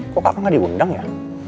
kok kakak gak diundang ya